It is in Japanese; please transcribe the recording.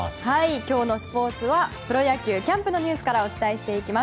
今日のスポーツはプロ野球キャンプのニュースからお伝えしていきます。